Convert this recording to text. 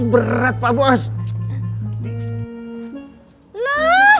berat pak bos